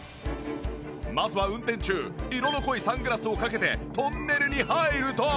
まずは運転中色の濃いサングラスをかけてトンネルに入ると